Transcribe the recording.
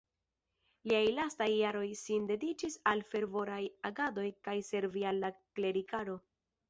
Liaj lastaj jaroj sin dediĉis al fervoraj agadoj kaj servi al la klerikaro.